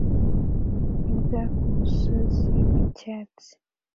Imbwa kumusozi wicyatsi